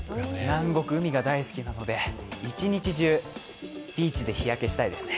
南国、海が大好きなので一日中、ビーチで日焼けしたいですね。